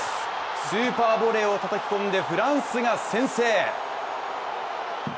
スーパーボレーをたたき込んでフランスが先制。